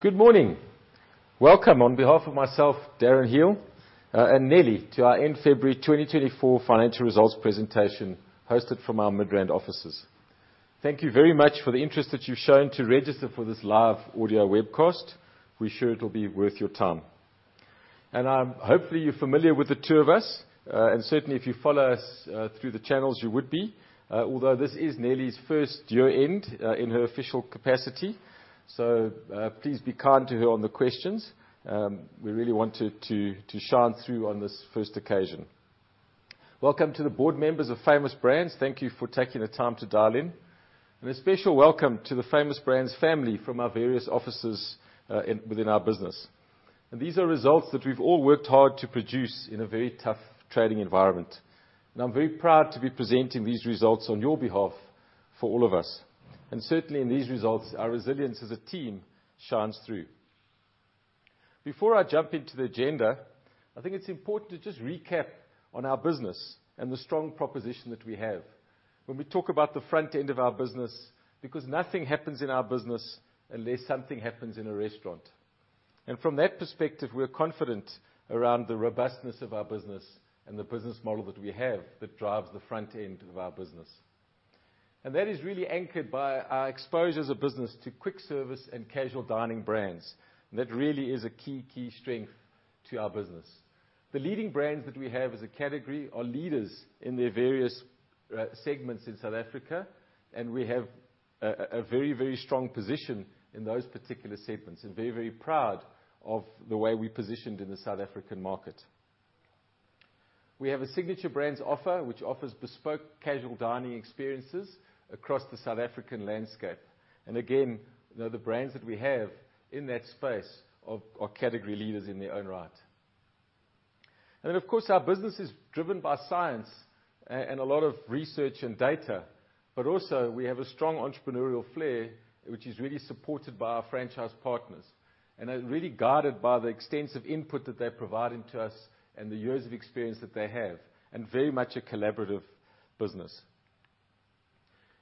Good morning. Welcome on behalf of myself, Darren Hele, and Deana-Lee, to our end February 2024 financial results presentation, hosted from our Midrand offices. Thank you very much for the interest that you've shown to register for this live audio webcast. We're sure it'll be worth your time. And, hopefully, you're familiar with the two of us, and certainly, if you follow us through the channels, you would be, although this is Deana-Lee first year-end in her official capacity, so please be kind to her on the questions. We really want her to shine through on this first occasion. Welcome to the board members of Famous Brands. Thank you for taking the time to dial in. And a special welcome to the Famous Brands family from our various offices within our business. These are results that we've all worked hard to produce in a very tough trading environment, and I'm very proud to be presenting these results on your behalf for all of us. Certainly in these results, our resilience as a team shines through. Before I jump into the agenda, I think it's important to just recap on our business and the strong proposition that we have when we talk about the front end of our business, because nothing happens in our business unless something happens in a restaurant. From that perspective, we're confident around the robustness of our business and the business model that we have, that drives the front end of our business. That is really anchored by our exposure as a business to quick service and casual dining brands. That really is a key, key strength to our business. The Leading Brands that we have as a category are leaders in their various segments in South Africa, and we have a very, very strong position in those particular segments, and very, very proud of the way we're positioned in the South African market. We have a Signature Brands offer, which offers bespoke casual dining experiences across the South African landscape, and again, you know, the brands that we have in that space are category leaders in their own right. Then, of course, our business is driven by science, and a lot of research and data, but also, we have a strong entrepreneurial flair, which is really supported by our franchise partners, and are really guided by the extensive input that they're providing to us and the years of experience that they have, and very much a collaborative business.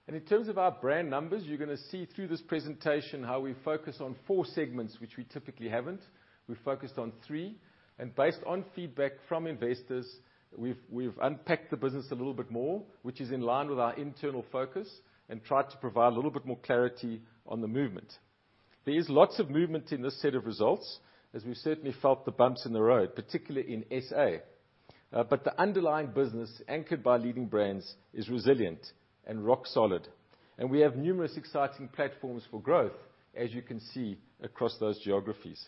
In terms of our brand numbers, you're gonna see through this presentation how we focus on four segments, which we typically haven't. We focused on three, and based on feedback from investors, we've unpacked the business a little bit more, which is in line with our internal focus, and tried to provide a little bit more clarity on the movement. There is lots of movement in this set of results, as we certainly felt the bumps in the road, particularly in SA. But the underlying business, anchored by Leading Brands, is resilient and rock solid, and we have numerous exciting platforms for growth, as you can see across those geographies.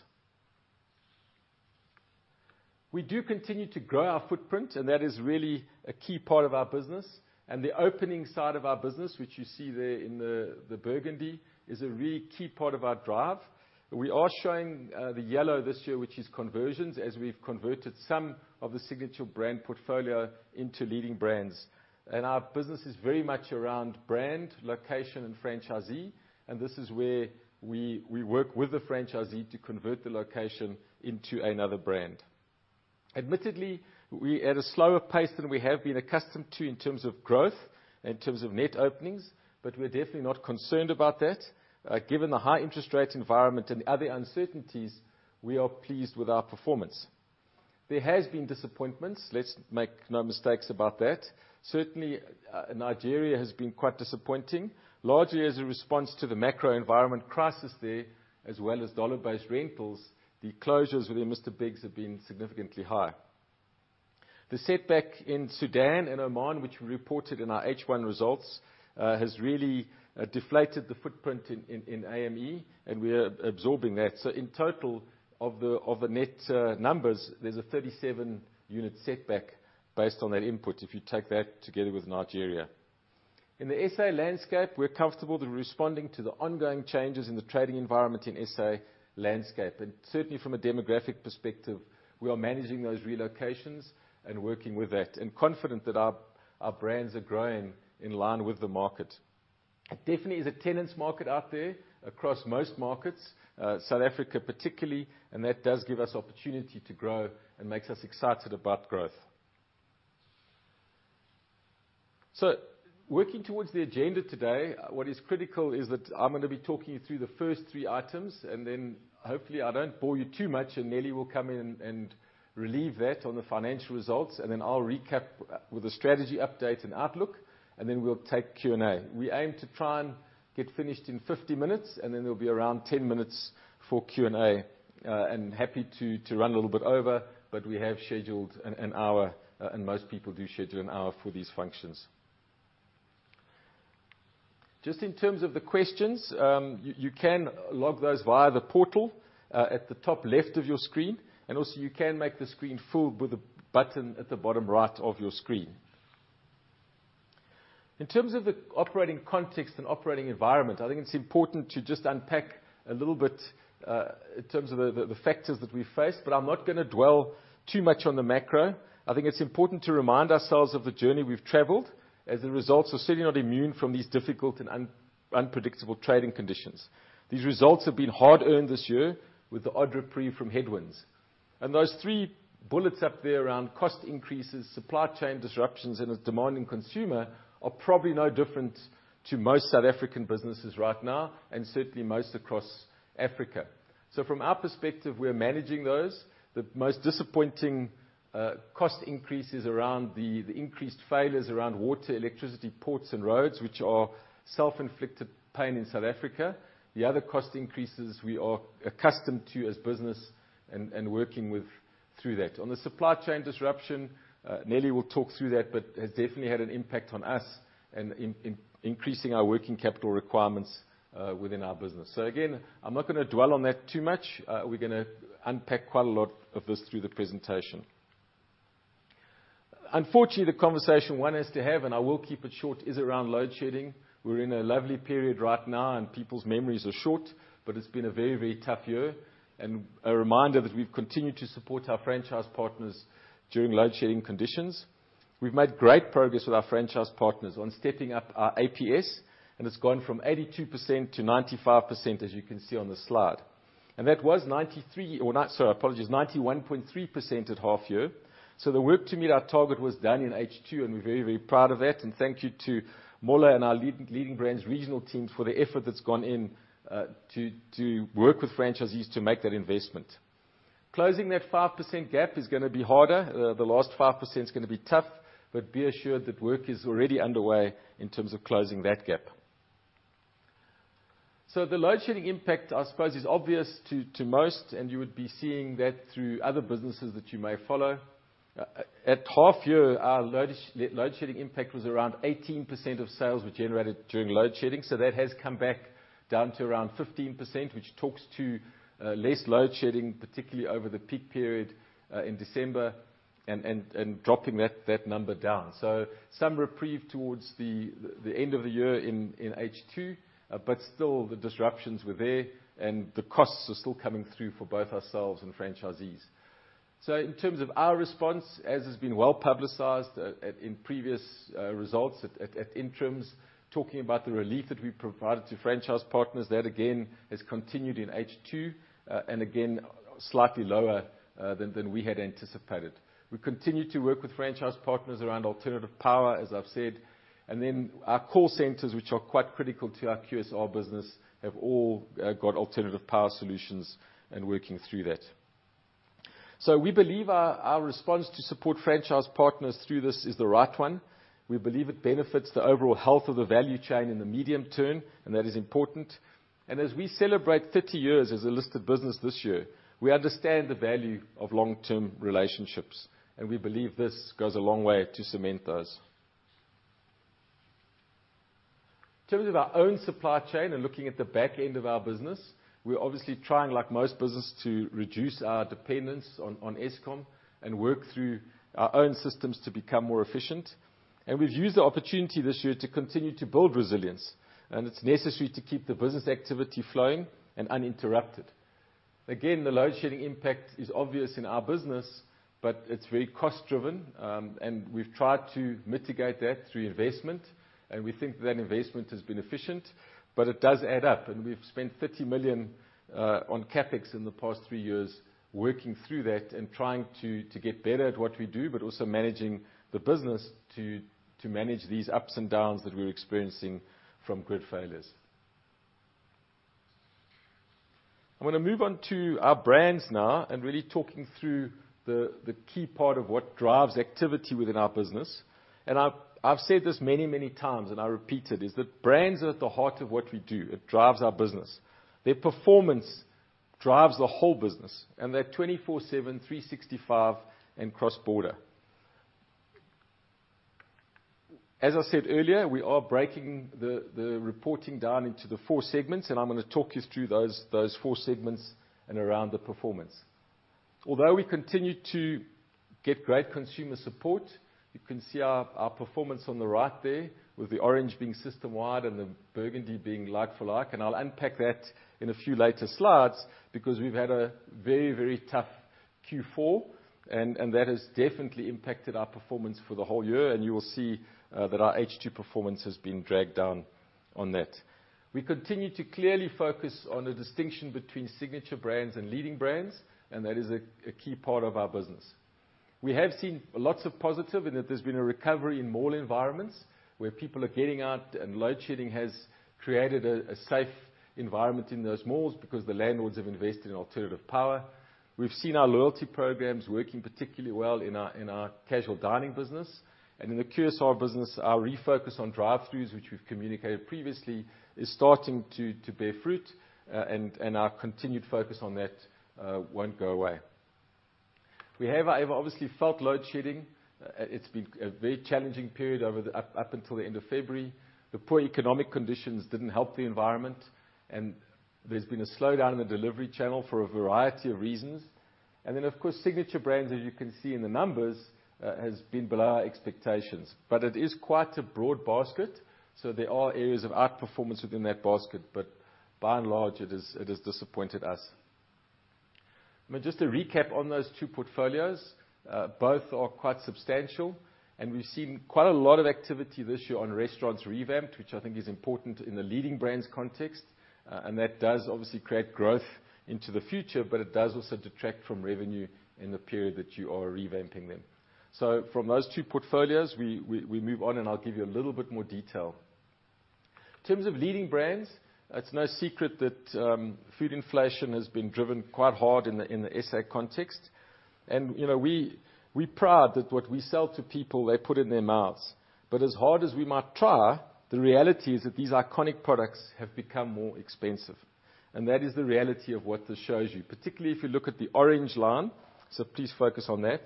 We do continue to grow our footprint, and that is really a key part of our business, and the opening side of our business, which you see there in the, the burgundy, is a really key part of our drive. We are showing the yellow this year, which is conversions, as we've converted some of the signature brand portfolio into Leading Brands. Our business is very much around brand, location, and franchisee, and this is where we, we work with the franchisee to convert the location into another brand. Admittedly, we at a slower pace than we have been accustomed to in terms of growth, in terms of net openings, but we're definitely not concerned about that. Given the high interest rate environment and other uncertainties, we are pleased with our performance. There has been disappointments, let's make no mistakes about that. Certainly, Nigeria has been quite disappointing. Largely as a response to the macro environment crisis there, as well as dollar-based rentals, the closures within Mr Bigg's have been significantly high. The setback in Sudan and Oman, which we reported in our H1 results, has really deflated the footprint in AME, and we are absorbing that. So in total, of the net numbers, there's a 37-unit setback based on that input, if you take that together with Nigeria. In the SA landscape, we're comfortable that we're responding to the ongoing changes in the trading environment in SA landscape, and certainly from a demographic perspective, we are managing those relocations and working with that, and confident that our brands are growing in line with the market. It definitely is a tenant's market out there across most markets, South Africa particularly, and that does give us opportunity to grow and makes us excited about growth. So working towards the agenda today, what is critical is that I'm gonna be talking you through the first three items, and then, hopefully, I don't bore you too much, and Deana-Lee will come in and relieve that on the financial results, and then I'll recap with a strategy update and outlook, and then we'll take Q&A. We aim to try and get finished in 50 minutes, and then there'll be around 10 minutes for Q&A. And happy to run a little bit over, but we have scheduled an hour, and most people do schedule an hour for these functions. Just in terms of the questions, you can log those via the portal at the top-left of your screen, and also, you can make the screen full with the button at the bottom-right of your screen. In terms of the operating context and operating environment, I think it's important to just unpack a little bit in terms of the factors that we face, but I'm not gonna dwell too much on the macro. I think it's important to remind ourselves of the journey we've traveled, as the results are certainly not immune from these difficult and unpredictable trading conditions. These results have been hard-earned this year, with the odd reprieve from headwinds.... And those three bullets up there around cost increases, supply chain disruptions, and a demanding consumer, are probably no different to most South African businesses right now, and certainly most across Africa. So from our perspective, we're managing those. The most disappointing cost increases around the increased failures around water, electricity, ports, and roads, which are self-inflicted pain in South Africa. The other cost increases we are accustomed to as business, and working with through that. On the supply chain disruption, Deana-Lee will talk through that, but has definitely had an impact on us, and increasing our working capital requirements within our business. So again, I'm not gonna dwell on that too much. We're gonna unpack quite a lot of this through the presentation. Unfortunately, the conversation one has to have, and I will keep it short, is around load shedding. We're in a lovely period right now, and people's memories are short, but it's been a very, very tough year, and a reminder that we've continued to support our franchise partners during load shedding conditions. We've made great progress with our franchise partners on stepping up our APS, and it's gone from 82% to 95%, as you can see on the slide. And that was 91.3% at half year, so the work to meet our target was done in H2, and we're very, very proud of that. And thank you to Möller and our leading Leading Brands regional teams for the effort that's gone in to work with franchisees to make that investment. Closing that 5% gap is gonna be harder. The last 5% is gonna be tough, but be assured that work is already underway in terms of closing that gap. So the load shedding impact, I suppose, is obvious to most, and you would be seeing that through other businesses that you may follow. At half year, our load shedding impact was around 18% of sales were generated during load shedding, so that has come back down to around 15%, which talks to less load shedding, particularly over the peak period in December, and dropping that number down. So some reprieve towards the end of the year in H2, but still, the disruptions were there, and the costs are still coming through for both ourselves and franchisees. So in terms of our response, as has been well-publicized, in previous results at interims, talking about the relief that we provided to franchise partners, that again, has continued in H2. And again, slightly lower than we had anticipated. We continue to work with franchise partners around alternative power, as I've said, and then our call centers, which are quite critical to our QSR business, have all got alternative power solutions, and working through that. So we believe our response to support franchise partners through this is the right one. We believe it benefits the overall health of the value chain in the medium term, and that is important. And as we celebrate 30 years as a listed business this year, we understand the value of long-term relationships, and we believe this goes a long way to cement those. In terms of our own supply chain and looking at the back end of our business, we're obviously trying, like most businesses, to reduce our dependence on Eskom, and work through our own systems to become more efficient. We've used the opportunity this year to continue to build resilience, and it's necessary to keep the business activity flowing and uninterrupted. Again, the load shedding impact is obvious in our business, but it's very cost driven, and we've tried to mitigate that through investment, and we think that investment has been efficient. But it does add up, and we've spent 30 million on CapEx in the past three years working through that and trying to get better at what we do, but also managing the business to manage these ups and downs that we're experiencing from grid failures. I'm gonna move on to our brands now, and really talking through the key part of what drives activity within our business. And I've said this many, many times, and I repeat it, is that brands are at the heart of what we do. It drives our business. Their performance drives the whole business, and they're 24/7, 365, and cross-border. As I said earlier, we are breaking the reporting down into the four segments, and I'm gonna talk you through those four segments and around the performance. Although we continue to get great consumer support, you can see our performance on the right there, with the orange being system wide and the burgundy being like for like, and I'll unpack that in a few later slides, because we've had a very, very tough Q4, and that has definitely impacted our performance for the whole year. You will see that our H2 performance has been dragged down on that. We continue to clearly focus on the distinction between Signature Brands and Leading Brands, and that is a key part of our business. We have seen lots of positive in that there's been a recovery in mall environments, where people are getting out, and load shedding has created a safe environment in those malls because the landlords have invested in alternative power. We've seen our loyalty programs working particularly well in our casual dining business, and in the QSR business, our refocus on drive-throughs, which we've communicated previously, is starting to bear fruit. And our continued focus on that won't go away. We have obviously felt load shedding. It's been a very challenging period up until the end of February. The poor economic conditions didn't help the environment, and there's been a slowdown in the delivery channel for a variety of reasons. And then, of course, Signature Brands, as you can see in the numbers, has been below our expectations, but it is quite a broad basket, so there are areas of outperformance within that basket, but by and large, it has disappointed us. I mean, just to recap on those two portfolios, both are quite substantial, and we've seen quite a lot of activity this year on restaurants revamped, which I think is important in the Leading Brands context. And that does obviously create growth into the future, but it does also detract from revenue in the period that you are revamping them. So from those two portfolios, we move on, and I'll give you a little bit more detail. In terms of Leading Brands, it's no secret that food inflation has been driven quite hard in the SA context, and, you know, we proud that what we sell to people, they put in their mouths. But as hard as we might try, the reality is that these iconic products have become more expensive, and that is the reality of what this shows you, particularly if you look at the orange line, so please focus on that.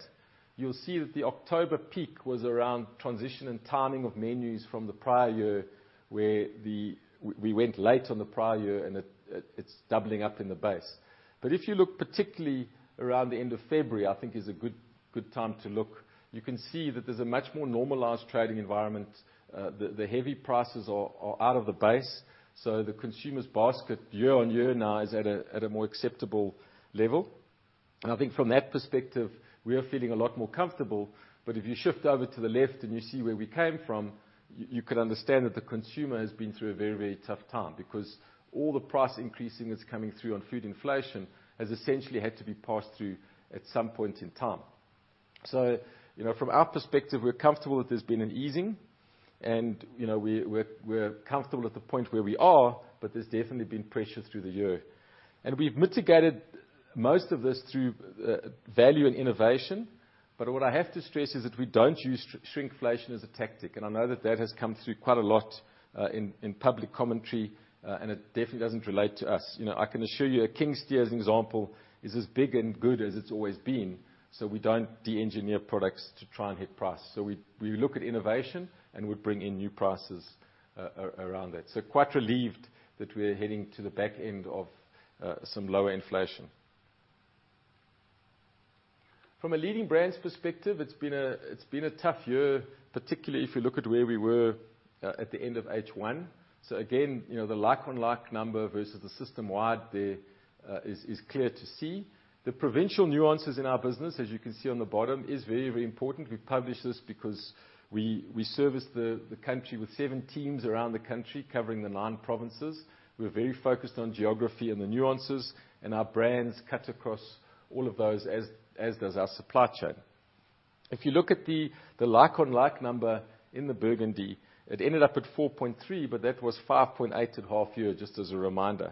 You'll see that the October peak was around transition and timing of menus from the prior year, where we went late on the prior year, and it's doubling up in the base. But if you look particularly around the end of February, I think is a good, good time to look, you can see that there's a much more normalized trading environment. The heavy prices are out of the base, so the consumer's basket year-on-year now is at a more acceptable level. I think from that perspective, we are feeling a lot more comfortable, but if you shift over to the left and you see where we came from, you can understand that the consumer has been through a very, very tough time. Because all the price increasing that's coming through on food inflation has essentially had to be passed through at some point in time. So, you know, from our perspective, we're comfortable that there's been an easing, and, you know, we're comfortable at the point where we are, but there's definitely been pressure through the year. And we've mitigated most of this through value and innovation, but what I have to stress is that we don't use shrinkflation as a tactic, and I know that that has come through quite a lot in public commentary, and it definitely doesn't relate to us. You know, I can assure you a King Steer, as an example, is as big and good as it's always been, so we don't de-engineer products to try and hit price. So we look at innovation, and we bring in new prices around that. So quite relieved that we're heading to the back end of some lower inflation. From a Leading Brands perspective, it's been a tough year, particularly if you look at where we were at the end of H1. So again, you know, the like-for-like number versus the system-wide there is clear to see. The provincial nuances in our business, as you can see on the bottom, is very, very important. We publish this because we service the country with seven teams around the country, covering the nine provinces. We're very focused on geography and the nuances, and our brands cut across all of those, as does our supply chain. If you look at the like-for-like number in the burgundy, it ended up at 4.3, but that was 5.8 at half year, just as a reminder.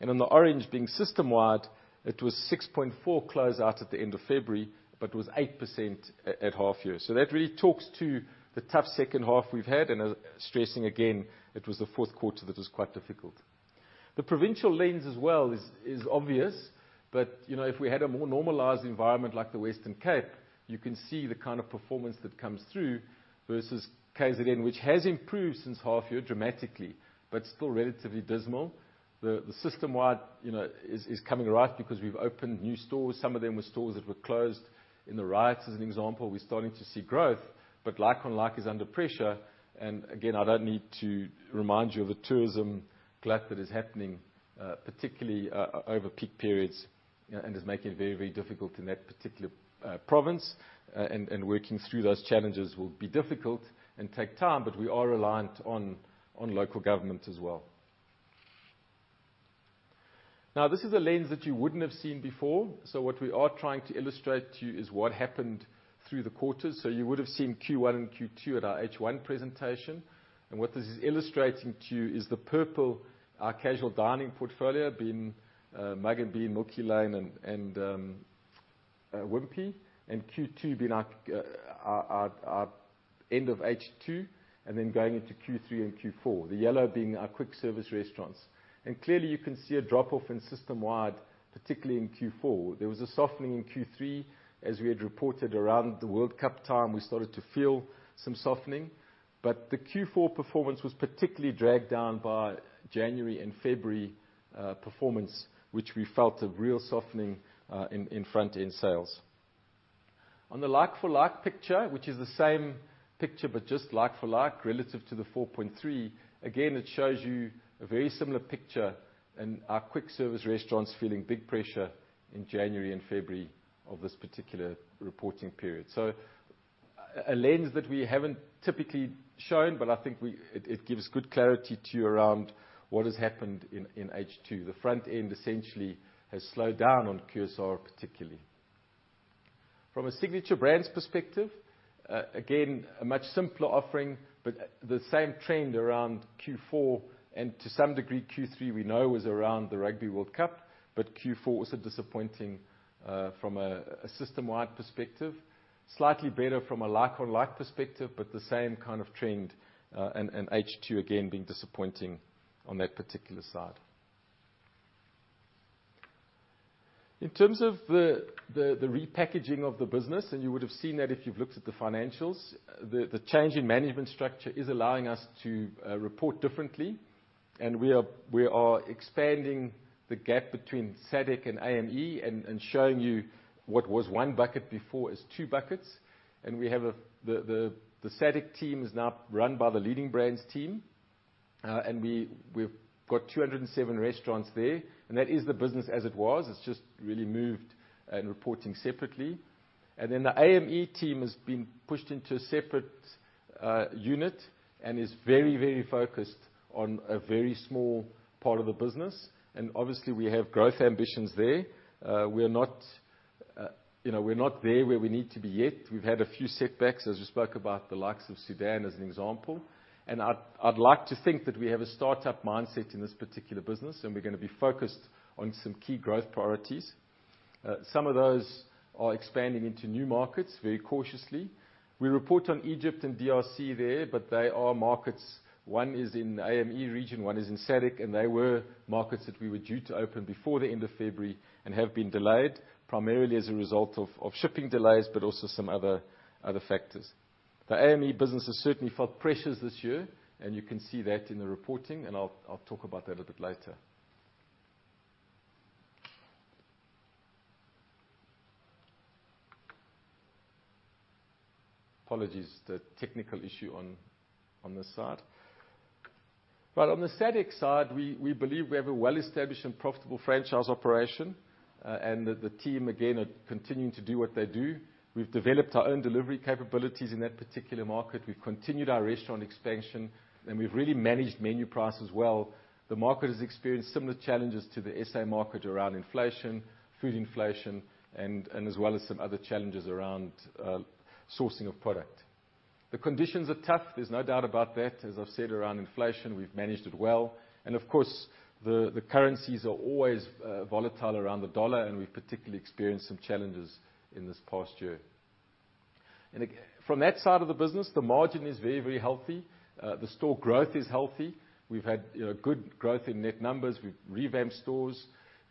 And on the orange, being system-wide, it was 6.4 close out at the end of February, but was 8% at half year. So that really talks to the tough second half we've had, stressing again, it was the fourth quarter that was quite difficult. The provincial lens as well is obvious, but, you know, if we had a more normalized environment like the Western Cape, you can see the kind of performance that comes through versus KZN, which has improved since half year dramatically, but still relatively dismal. The system-wide, you know, is coming right, because we've opened new stores. Some of them were stores that were closed in the riots, as an example. We're starting to see growth, but like-on-like is under pressure, and again, I don't need to remind you of the tourism collapse that is happening, particularly, over peak periods, and is making it very, very difficult in that particular, province. And working through those challenges will be difficult and take time, but we are reliant on, local government as well. Now, this is a lens that you wouldn't have seen before, so what we are trying to illustrate to you is what happened through the quarters. So you would've seen Q1 and Q2 at our H1 presentation, and what this is illustrating to you is the purple, our casual dining portfolio, being Mugg & Bean, Milky Lane, and Wimpy, and Q2 being our end of H2, and then going into Q3 and Q4, the yellow being our quick-service restaurants. And clearly you can see a drop-off in system-wide, particularly in Q4. There was a softening in Q3, as we had reported. Around the World Cup time, we started to feel some softening. But the Q4 performance was particularly dragged down by January and February performance, which we felt a real softening in front-end sales. On the like-for-like picture, which is the same picture, but just like-for-like relative to the 4.3, again, it shows you a very similar picture, and our quick-service restaurants feeling big pressure in January and February of this particular reporting period. So a lens that we haven't typically shown, but I think it gives good clarity to you around what has happened in H2. The front end essentially has slowed down on QSR, particularly. From a Signature Brands perspective, again, a much simpler offering, but the same trend around Q4, and to some degree, Q3 we know was around the Rugby World Cup, but Q4 was a disappointing from a system-wide perspective. Slightly better from a like-for-like perspective, but the same kind of trend, and H2 again being disappointing on that particular side. In terms of the repackaging of the business, and you would've seen that if you've looked at the financials, the change in management structure is allowing us to report differently. And we are expanding the gap between SADC and AME and showing you what was one bucket before is two buckets. The SADC team is now run by the Leading Brands team, and we've got 207 restaurants there, and that is the business as it was. It's just really moved and reporting separately. And then, the AME team has been pushed into a separate unit, and is very, very focused on a very small part of the business, and obviously, we have growth ambitions there. We are not, you know, we're not there where we need to be yet. We've had a few setbacks, as we spoke about the likes of Sudan as an example, and I'd like to think that we have a startup mindset in this particular business, and we're gonna be focused on some key growth priorities. Some of those are expanding into new markets very cautiously. We report on Egypt and DRC there, but they are markets... One is in AME region, one is in SADC, and they were markets that we were due to open before the end of February and have been delayed, primarily as a result of shipping delays, but also some other factors. The AME business has certainly felt pressures this year, and you can see that in the reporting, and I'll talk about that a little bit later. Apologies, the technical issue on this side. But on the SADC side, we believe we have a well-established and profitable franchise operation, and the team again are continuing to do what they do. We've developed our own delivery capabilities in that particular market. We've continued our restaurant expansion, and we've really managed menu prices well. The market has experienced similar challenges to the SA market around inflation, food inflation, and as well as some other challenges around sourcing of product. The conditions are tough, there's no doubt about that. As I've said, around inflation, we've managed it well, and of course, the currencies are always volatile around the dollar, and we've particularly experienced some challenges in this past year. And from that side of the business, the margin is very, very healthy. The store growth is healthy. We've had good growth in net numbers. We've revamped stores.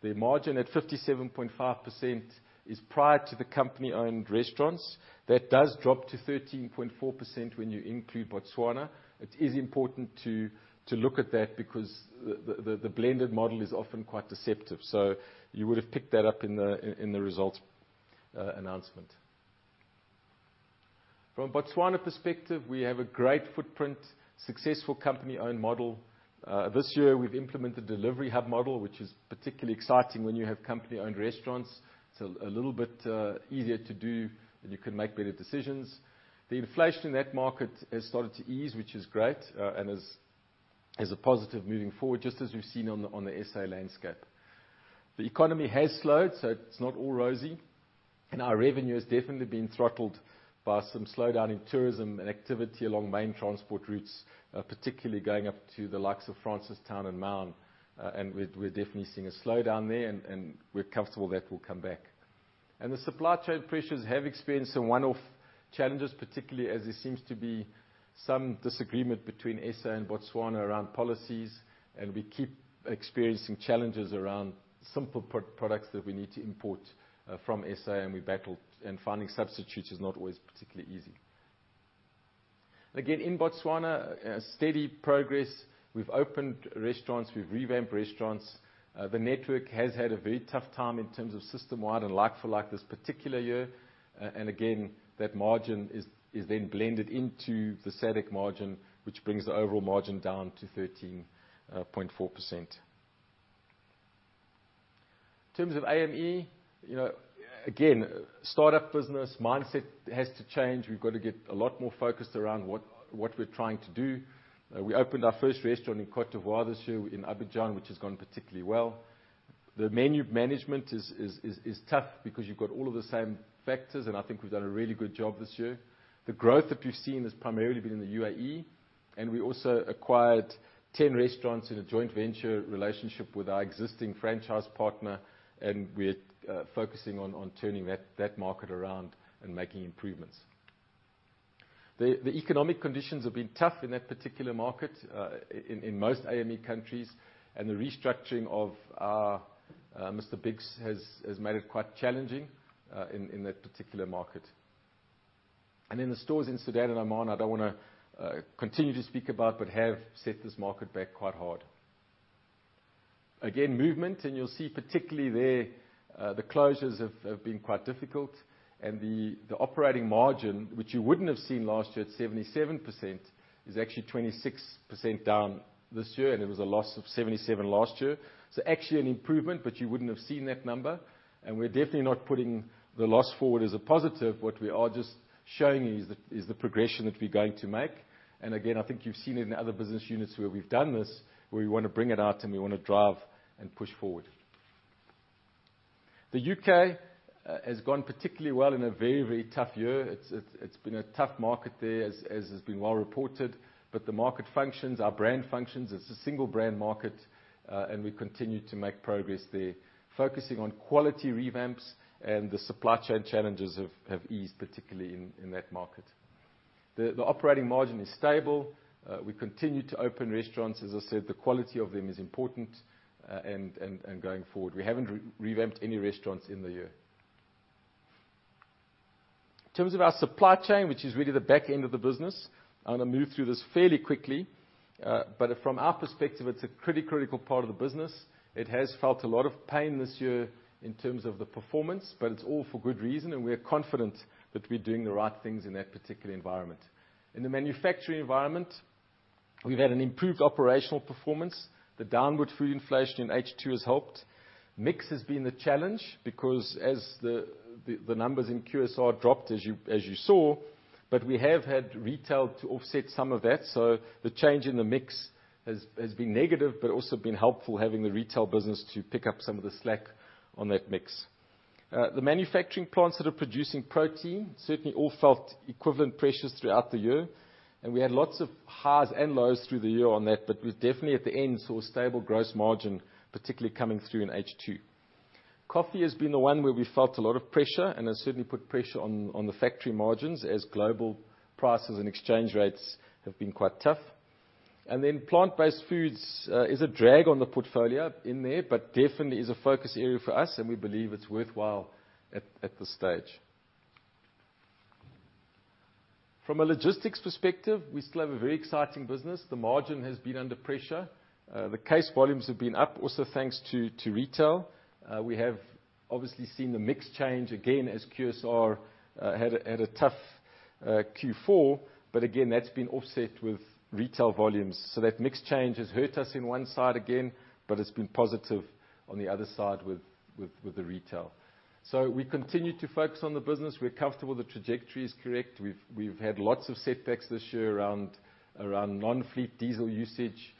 The margin at 57.5% is prior to the company-owned restaurants. That does drop to 13.4% when you include Botswana. It is important to look at that because the blended model is often quite deceptive, so you would've picked that up in the results announcement. From a Botswana perspective, we have a great footprint, successful company-owned model. This year we've implemented delivery hub model, which is particularly exciting when you have company-owned restaurants. It's a little bit easier to do, and you can make better decisions. The inflation in that market has started to ease, which is great, and is a positive moving forward, just as we've seen on the SA landscape. The economy has slowed, so it's not all rosy, and our revenue has definitely been throttled by some slowdown in tourism and activity along main transport routes, particularly going up to the likes of Francistown and Maun, and we're definitely seeing a slowdown there, and we're comfortable that will come back. The supply chain pressures have experienced some one-off challenges, particularly as there seems to be some disagreement between SA and Botswana around policies, and we keep experiencing challenges around simple products that we need to import from SA, and we battle, and finding substitutes is not always particularly easy. Again, in Botswana, a steady progress. We've opened restaurants, we've revamped restaurants. The network has had a very tough time in terms of system-wide and like-for-like this particular year, and again, that margin is then blended into the SADC margin, which brings the overall margin down to 13.4%. In terms of AME, you know, again, startup business mindset has to change. We've got to get a lot more focused around what we're trying to do. We opened our first restaurant in Côte d'Ivoire this year in Abidjan, which has gone particularly well. The menu management is tough because you've got all of the same factors, and I think we've done a really good job this year. The growth that we've seen has primarily been in the UAE, and we also acquired 10 restaurants in a joint venture relationship with our existing franchise partner, and we're focusing on turning that market around and making improvements. The economic conditions have been tough in that particular market, in most AME countries, and the restructuring of our Mr Bigg's has made it quite challenging, in that particular market. And in the stores in Sudan and Oman, I don't wanna continue to speak about, but have set this market back quite hard. Again, movement, and you'll see particularly there, the closures have been quite difficult, and the operating margin, which you wouldn't have seen last year at 77%, is actually 26% down this year, and it was a loss of 77% last year. So actually an improvement, but you wouldn't have seen that number, and we're definitely not putting the loss forward as a positive. What we are just showing you is the progression that we're going to make, and again, I think you've seen it in other business units where we've done this, where we want to bring it out, and we want to drive and push forward. The U.K. has gone particularly well in a very, very tough year. It's been a tough market there, as has been well reported, but the market functions, our brand functions. It's a single brand market, and we continue to make progress there, focusing on quality revamps, and the supply chain challenges have eased, particularly in that market. The operating margin is stable. We continue to open restaurants. As I said, the quality of them is important, and going forward, we haven't revamped any restaurants in the year. In terms of our supply chain, which is really the back end of the business, I'm gonna move through this fairly quickly, but from our perspective, it's a critical part of the business. It has felt a lot of pain this year in terms of the performance, but it's all for good reason, and we are confident that we're doing the right things in that particular environment. In the manufacturing environment. We've had an improved operational performance. The downward food inflation in H2 has helped. Mix has been the challenge, because as the numbers in QSR dropped, as you saw, but we have had retail to offset some of that. So the change in the mix has been negative, but also been helpful having the retail business to pick up some of the slack on that mix. The manufacturing plants that are producing protein certainly all felt equivalent pressures throughout the year, and we had lots of highs and lows through the year on that, but we definitely at the end saw a stable gross margin, particularly coming through in H2. Coffee has been the one where we felt a lot of pressure, and has certainly put pressure on the factory margins as global prices and exchange rates have been quite tough. And then plant-based foods is a drag on the portfolio in there, but definitely is a focus area for us, and we believe it's worthwhile at this stage. From a logistics perspective, we still have a very exciting business. The margin has been under pressure. The case volumes have been up also thanks to retail. We have obviously seen the mix change again as QSR had a tough Q4, but again, that's been offset with retail volumes. So that mix change has hurt us in one side again, but it's been positive on the other side with the retail. So we continue to focus on the business. We're comfortable the trajectory is correct. We've had lots of setbacks this year around non-fleet diesel usage,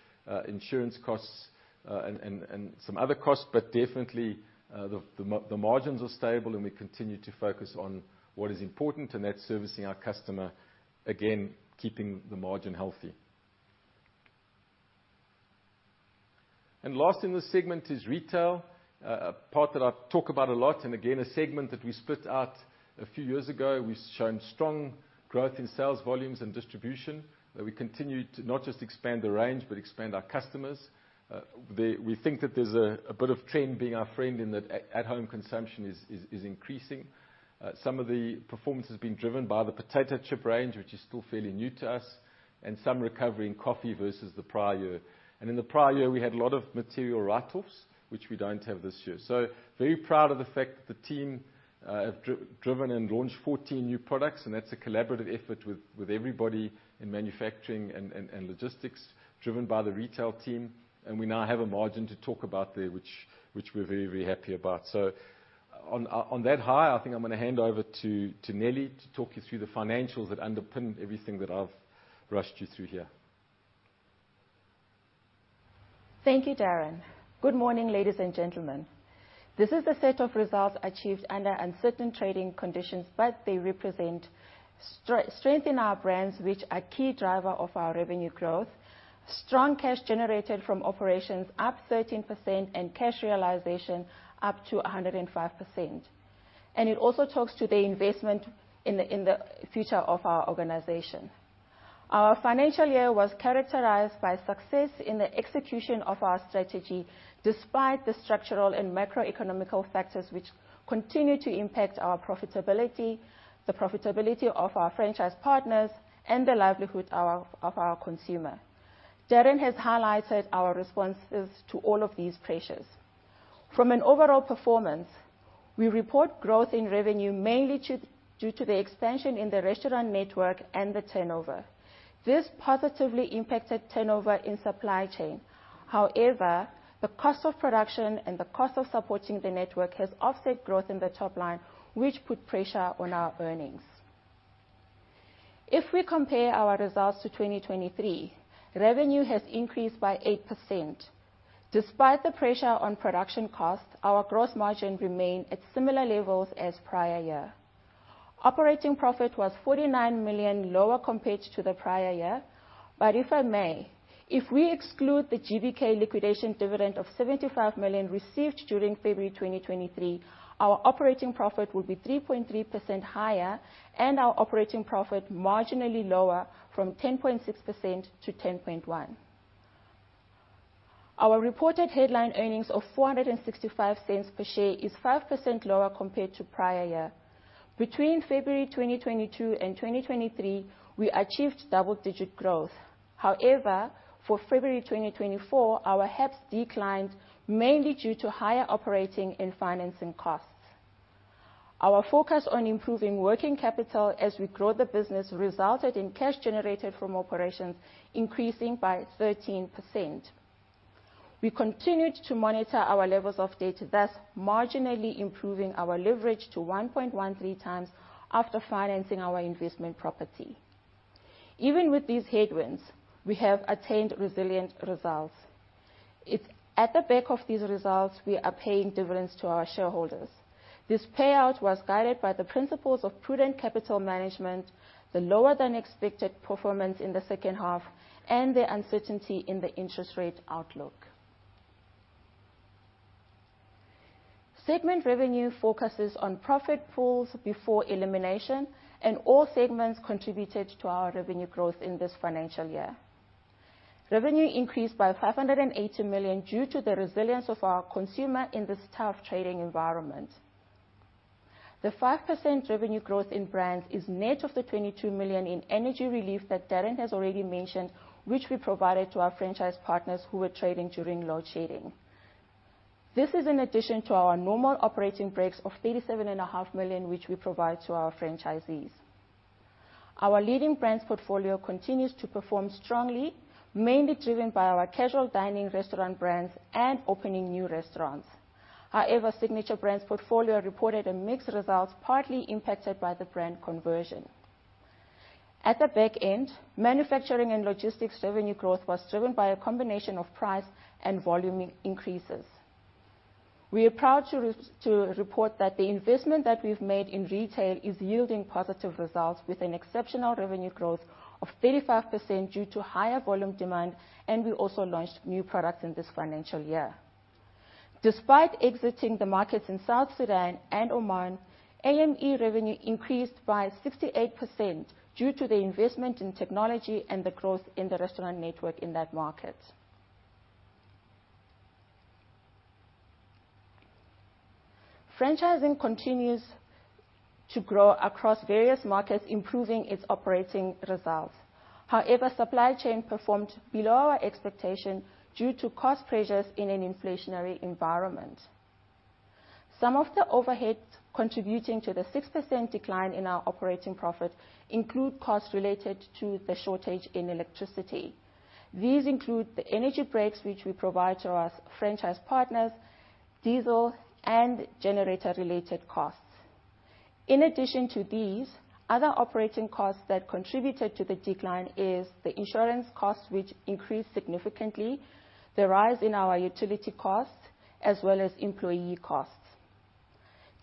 insurance costs, and some other costs, but definitely the margins are stable, and we continue to focus on what is important, and that's servicing our customer, again, keeping the margin healthy. Last in this segment is retail. A part that I've talked about a lot, and again, a segment that we split out a few years ago. We've shown strong growth in sales volumes and distribution, that we continue to not just expand the range, but expand our customers. We think that there's a bit of trend being our friend in that at-home consumption is increasing. Some of the performance has been driven by the potato chip range, which is still fairly new to us, and some recovery in coffee versus the prior year. And in the prior year, we had a lot of material write-offs, which we don't have this year. So very proud of the fact that the team have driven and launched 14 new products, and that's a collaborative effort with everybody in manufacturing and logistics, driven by the retail team, and we now have a margin to talk about there, which we're very, very happy about. So on that high, I think I'm gonna hand over to Deana-Lee to talk you through the financials that underpin everything that I've rushed you through here. Thank you, Darren. Good morning, ladies and gentlemen. This is the set of results achieved under uncertain trading conditions, but they represent strength in our brands, which are key driver of our revenue growth, strong cash generated from operations up 13%, and cash realization up to 105%. It also talks to the investment in the future of our organization. Our financial year was characterized by success in the execution of our strategy, despite the structural and macroeconomic factors, which continue to impact our profitability, the profitability of our franchise partners, and the livelihood of our consumer. Darren has highlighted our responses to all of these pressures. From an overall performance, we report growth in revenue, mainly due to the expansion in the restaurant network and the turnover. This positively impacted turnover in supply chain. However, the cost of production and the cost of supporting the network has offset growth in the top line, which put pressure on our earnings. If we compare our results to 2023, revenue has increased by 8%. Despite the pressure on production costs, our gross margin remained at similar levels as prior year. Operating profit was 49 million lower compared to the prior year, but if I may, if we exclude the GBK liquidation dividend of 75 million received during February 2023, our operating profit would be 3.3% higher, and our operating profit marginally lower from 10.6% to 10.1. Our reported headline earnings of 4.65 per share is 5% lower compared to prior year. Between February 2022 and 2023, we achieved double-digit growth. However, for February 2024, our HEPS declined, mainly due to higher operating and financing costs. Our focus on improving working capital as we grow the business resulted in cash generated from operations increasing by 13%. We continued to monitor our levels of debt, thus marginally improving our leverage to 1.13 times after financing our investment property. Even with these headwinds, we have attained resilient results. It's at the back of these results we are paying dividends to our shareholders. This payout was guided by the principles of prudent capital management, the lower-than-expected performance in the second half, and the uncertainty in the interest rate outlook. Segment revenue focuses on profit pools before elimination, and all segments contributed to our revenue growth in this financial year. Revenue increased by 580 million due to the resilience of our consumer in this tough trading environment. The 5% revenue growth in brands is net of the 22 million in energy relief that Darren has already mentioned, which we provided to our franchise partners who were trading during load shedding. This is in addition to our normal operating breaks of 37.5 million, which we provide to our franchisees. Our Leading Brands portfolio continues to perform strongly, mainly driven by our casual dining restaurant brands and opening new restaurants. However, Signature Brands portfolio reported a mixed results, partly impacted by the brand conversion. At the back end, manufacturing and logistics revenue growth was driven by a combination of price and volume increases. We are proud to report that the investment that we've made in retail is yielding positive results, with an exceptional revenue growth of 35% due to higher volume demand, and we also launched new products in this financial year. Despite exiting the markets in South Sudan and Oman, AME revenue increased by 68% due to the investment in technology and the growth in the restaurant network in that market. Franchising continues to grow across various markets, improving its operating results. However, supply chain performed below our expectation due to cost pressures in an inflationary environment. Some of the overheads contributing to the 6% decline in our operating profit include costs related to the shortage in electricity. These include the energy breaks, which we provide to our franchise partners, diesel, and generator-related costs. In addition to these, other operating costs that contributed to the decline is the insurance costs, which increased significantly, the rise in our utility costs, as well as employee costs.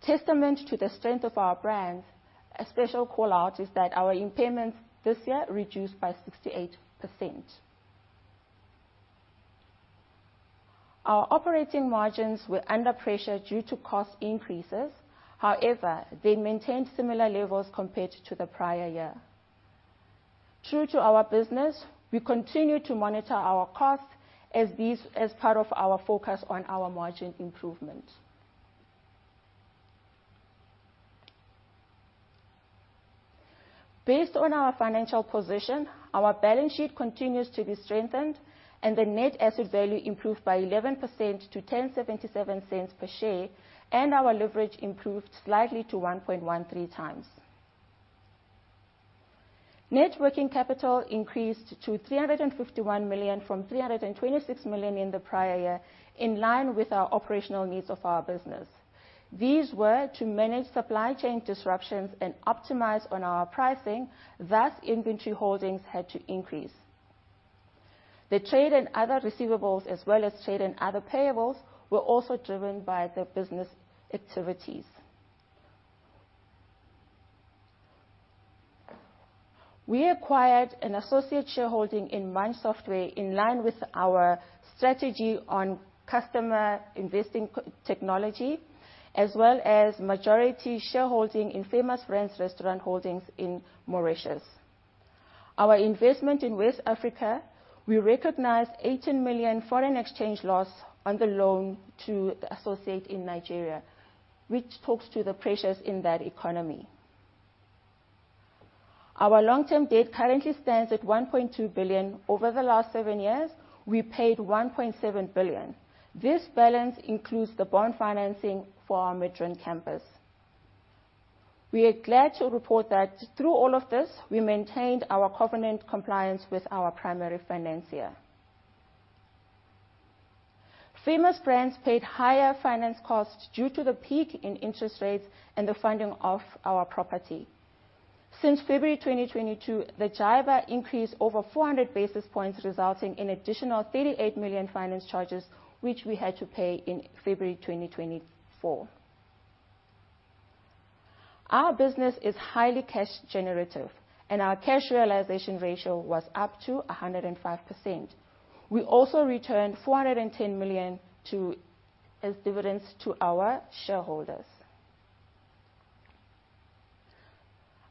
Testament to the strength of our brand, a special call-out is that our impairments this year reduced by 68%. Our operating margins were under pressure due to cost increases. However, they maintained similar levels compared to the prior year. True to our business, we continue to monitor our costs as these, as part of our focus on our margin improvement. Based on our financial position, our balance sheet continues to be strengthened, and the net asset value improved by 11% to 0.1077 per share, and our leverage improved slightly to 1.13 times. Net working capital increased to 351 million from 326 million in the prior year, in line with our operational needs of our business. These were to manage supply chain disruptions and optimize on our pricing, thus, inventory holdings had to increase. The trade and other receivables, as well as trade and other payables, were also driven by the business activities. We acquired an associate shareholding in Munch Software, in line with our strategy on customer investing technology, as well as majority shareholding in Famous Brands Restaurant Holdings in Mauritius. Our investment in West Africa, we recognized 18 million foreign exchange loss on the loan to the associate in Nigeria, which talks to the pressures in that economy. Our long-term debt currently stands at 1.2 billion. Over the last 7 years, we paid 1.7 billion. This balance includes the bond financing for our Midrand campus. We are glad to report that through all of this, we maintained our covenant compliance with our primary financier. Famous Brands paid higher finance costs due to the peak in interest rates and the funding of our property. Since February 2022, the JIBAR increased over 400 basis points, resulting in additional 38 million finance charges, which we had to pay in February 2024. Our business is highly cash generative, and our cash realization ratio was up to 105%. We also returned 410 million to... as dividends to our shareholders.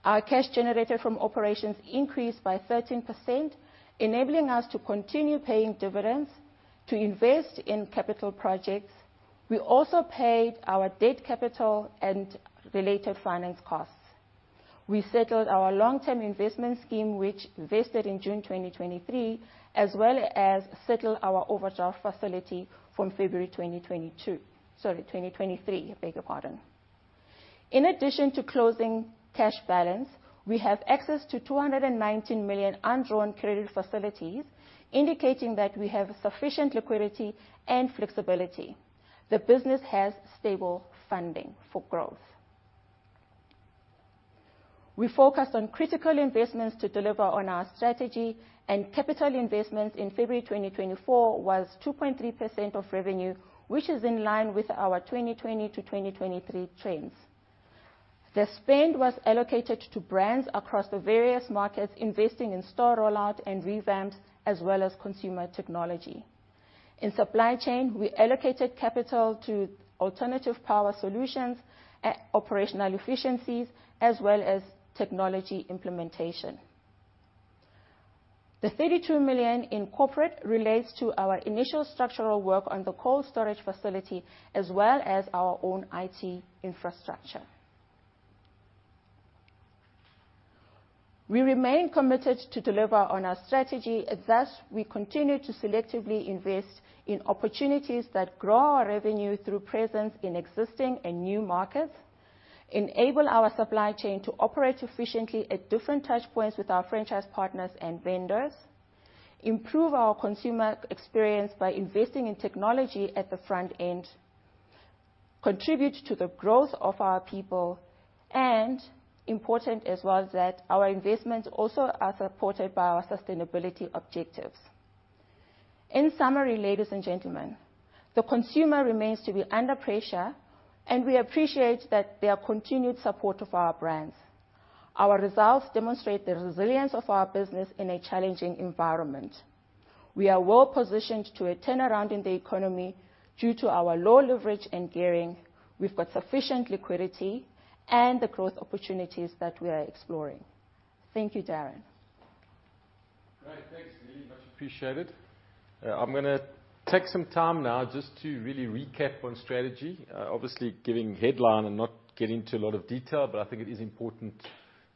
Our cash generated from operations increased by 13%, enabling us to continue paying dividends to invest in capital projects. We also paid our debt capital and related finance costs. We settled our long-term investment scheme, which vested in June 2023, as well as settled our overdraft facility from February 2022... Sorry, 2023. I beg your pardon. In addition to closing cash balance, we have access to 219 million undrawn credit facilities, indicating that we have sufficient liquidity and flexibility. The business has stable funding for growth. We focused on critical investments to deliver on our strategy, and capital investments in February 2024 was 2.3% of revenue, which is in line with our 2020 to 2023 trends. The spend was allocated to brands across the various markets, investing in store rollout and revamps, as well as consumer technology. In supply chain, we allocated capital to alternative power solutions, operational efficiencies, as well as technology implementation. The 32 million in corporate relates to our initial structural work on the cold storage facility, as well as our own IT infrastructure.... We remain committed to deliver on our strategy, and thus, we continue to selectively invest in opportunities that grow our revenue through presence in existing and new markets, enable our supply chain to operate efficiently at different touchpoints with our franchise partners and vendors, improve our consumer experience by investing in technology at the front end, contribute to the growth of our people, and important as well, is that our investments also are supported by our sustainability objectives. In summary, ladies and gentlemen, the consumer remains to be under pressure, and we appreciate that their continued support of our brands. Our results demonstrate the resilience of our business in a challenging environment. We are well positioned to a turnaround in the economy due to our low leverage and gearing. We've got sufficient liquidity and the growth opportunities that we are exploring. Thank you, Darren. Great, thanks, Deana-Lee. Much appreciated. I'm gonna take some time now just to really recap on strategy. Obviously giving headline and not getting into a lot of detail, but I think it is important,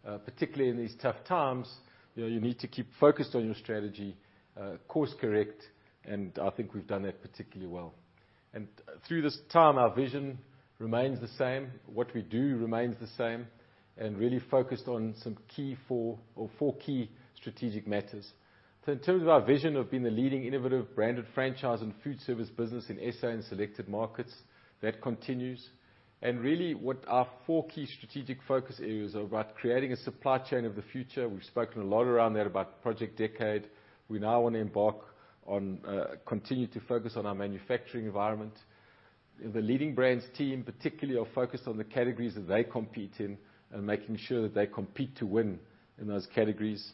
particularly in these tough times, you know, you need to keep focused on your strategy, course correct, and I think we've done that particularly well. And through this time, our vision remains the same, what we do remains the same, and really focused on some key four or four key strategic matters. So in terms of our vision of being the leading innovative branded franchise and food service business in SA and selected markets, that continues, and really, what our four key strategic focus areas are about creating a supply chain of the future. We've spoken a lot around that, about Project Deka. We now want to embark on, continue to focus on our manufacturing environment. The Leading Brands team, particularly, are focused on the categories that they compete in and making sure that they compete to win in those categories.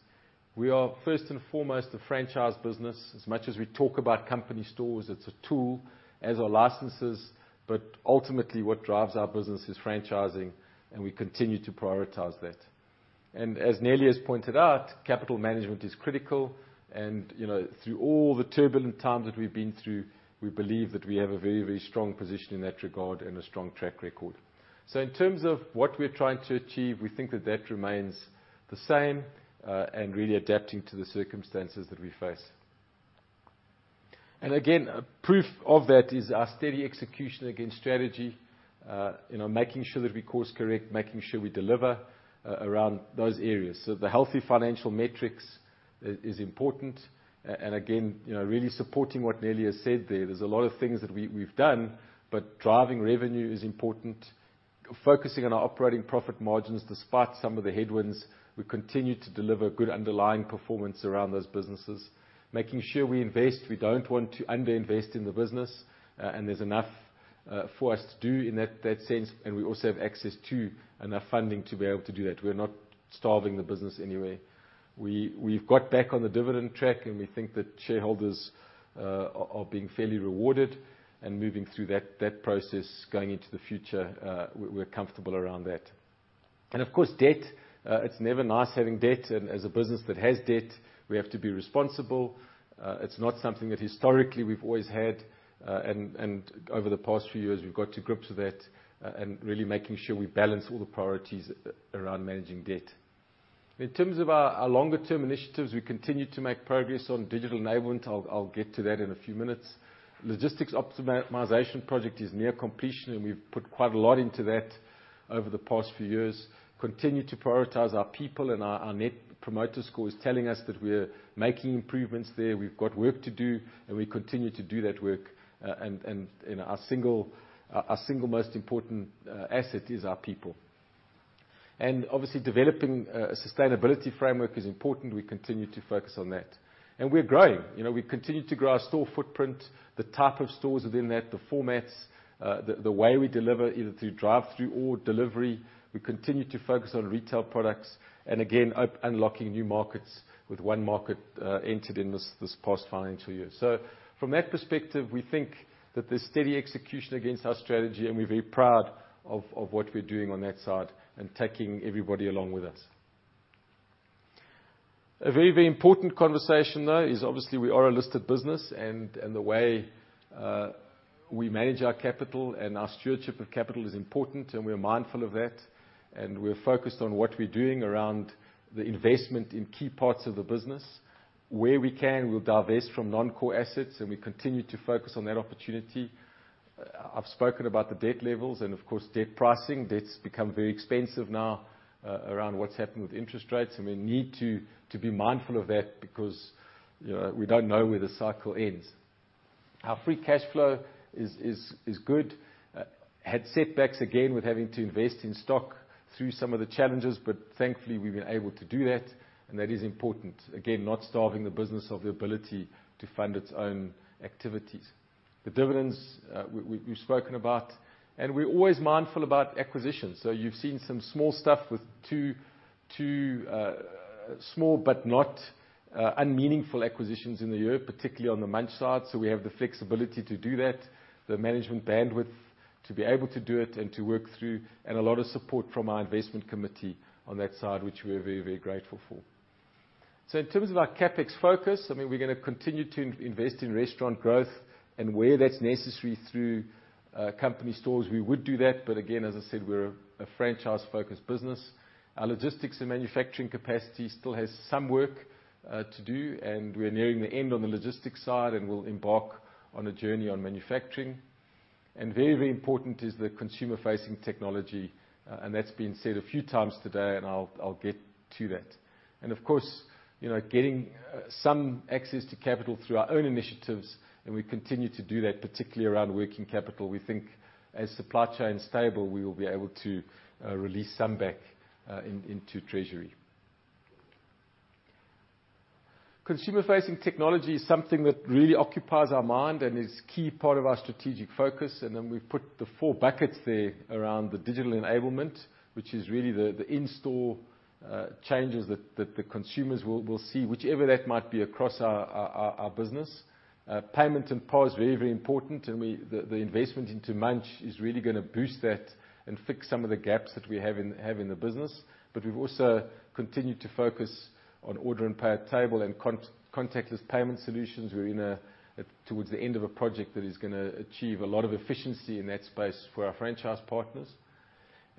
We are, first and foremost, a franchise business. As much as we talk about company stores, it's a tool, as are licenses, but ultimately, what drives our business is franchising, and we continue to prioritize that. And as Deana-Lee has pointed out, capital management is critical, and, you know, through all the turbulent times that we've been through, we believe that we have a very, very strong position in that regard and a strong track record. So in terms of what we're trying to achieve, we think that that remains the same, and really adapting to the circumstances that we face. And again, a proof of that is our steady execution against strategy. You know, making sure that we course correct, making sure we deliver around those areas. So the healthy financial metrics is important, and again, you know, really supporting what Deana-Lee has said there, there's a lot of things that we, we've done, but driving revenue is important. Focusing on our operating profit margins, despite some of the headwinds, we continue to deliver good underlying performance around those businesses, making sure we invest. We don't want to under-invest in the business, and there's enough for us to do in that sense, and we also have access to enough funding to be able to do that. We're not starving the business in any way. We've got back on the dividend track, and we think that shareholders are being fairly rewarded and moving through that process going into the future. We're comfortable around that. And of course, debt, it's never nice having debt, and as a business that has debt, we have to be responsible. It's not something that historically we've always had, and over the past few years, we've got to grips with that, and really making sure we balance all the priorities around managing debt. In terms of our longer term initiatives, we continue to make progress on digital enablement. I'll get to that in a few minutes. Logistics optimization project is near completion, and we've put quite a lot into that over the past few years. Continue to prioritize our people, and our Net Promoter Score is telling us that we're making improvements there. We've got work to do, and we continue to do that work. And you know, our single most important asset is our people. And obviously, developing a sustainability framework is important. We continue to focus on that. And we're growing. You know, we continue to grow our store footprint, the type of stores within that, the formats, the way we deliver, either through drive-through or delivery. We continue to focus on retail products, and again, unlocking new markets with one market entered in this past financial year. So from that perspective, we think that there's steady execution against our strategy, and we're very proud of what we're doing on that side and taking everybody along with us. A very, very important conversation, though, is obviously we are a listed business, and the way we manage our capital and our stewardship of capital is important, and we're mindful of that, and we're focused on what we're doing around the investment in key parts of the business. Where we can, we'll divest from non-core assets, and we continue to focus on that opportunity. I've spoken about the debt levels and, of course, debt pricing. Debt's become very expensive now around what's happened with interest rates, and we need to be mindful of that because, you know, we don't know where the cycle ends. Our free cashflow is good. Had setbacks again with having to invest in stock through some of the challenges, but thankfully, we've been able to do that, and that is important. Again, not starving the business of the ability to fund its own activities. The dividends, we, we've spoken about, and we're always mindful about acquisitions. So you've seen some small stuff with two, two, small but not, unmeaningful acquisitions in the year, particularly on the Munch side. So we have the flexibility to do that, the management bandwidth to be able to do it, and to work through, and a lot of support from our investment committee on that side, which we're very, very grateful for. So in terms of our CapEx focus, I mean, we're gonna continue to invest in restaurant growth, and where that's necessary through, company stores, we would do that, but again, as I said, we're a franchise-focused business. Our logistics and manufacturing capacity still has some work to do, and we're nearing the end on the logistics side, and we'll embark on a journey on manufacturing. And very, very important is the consumer-facing technology, and that's been said a few times today, and I'll, I'll get to that. And of course, you know, getting some access to capital through our own initiatives, and we continue to do that, particularly around working capital. We think as supply chain is stable, we will be able to release some back into treasury. Consumer-facing technology is something that really occupies our mind and is key part of our strategic focus, and then we've put the four buckets there around the digital enablement, which is really the in-store changes that the consumers will see, whichever that might be across our business. Payment and pay is very, very important. The investment into Munch is really gonna boost that and fix some of the gaps that we have in the business. But we've also continued to focus on order and pay at table and contactless payment solutions. We're towards the end of a project that is gonna achieve a lot of efficiency in that space for our franchise partners.